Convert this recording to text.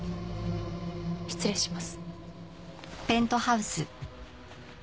失礼します。